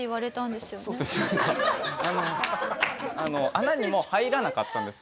穴にも入らなかったんです